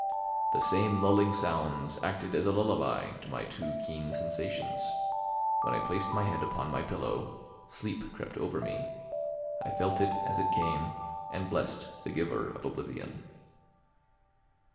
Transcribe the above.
The same lulling sounds acted as a lullaby to my too keen sensations; when I placed my head upon my pillow, sleep crept over me; I felt it as it came and blessed the giver of oblivion.